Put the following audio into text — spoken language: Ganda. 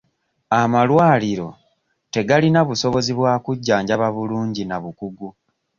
Amalwaliro tegalina busobozi bwa kujjanjaba bulungi na bukugu.